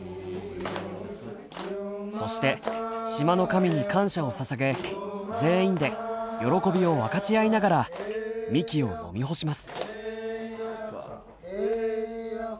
そして島の神に感謝をささげ全員で喜びを分かち合いながらみきを飲み干します。